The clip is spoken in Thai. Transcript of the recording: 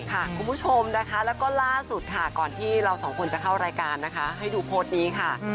คุณผู้ชมนะคะแล้วก็ล่าสุดค่ะก่อนที่เราสองคนจะเข้ารายการนะคะให้ดูโพสต์นี้ค่ะ